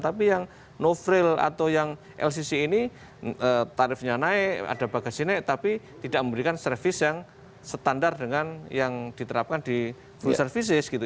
tapi yang no fraille atau yang lcc ini tarifnya naik ada bagasi naik tapi tidak memberikan service yang standar dengan yang diterapkan di full services gitu